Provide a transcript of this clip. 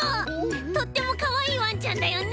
とってもかわいいワンちゃんだよね。